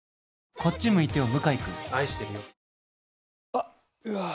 あっ、うわー。